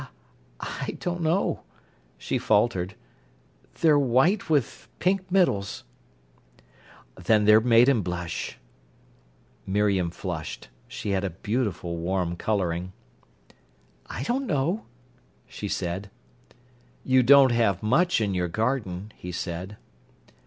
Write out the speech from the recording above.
"I don't know," she faltered. "They're white with pink middles." "Then they're maiden blush." Miriam flushed. She had a beautiful warm colouring. "I don't know," she said. "You don't have much in your garden," he said.